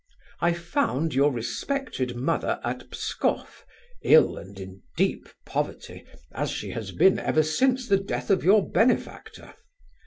I found your respected mother at Pskoff, ill and in deep poverty, as she has been ever since the death of your benefactor.